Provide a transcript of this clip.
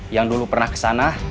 yang dulu pernah kesana